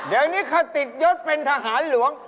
เดี๋ยวนี้ขติดยศเป็นทหารหลวง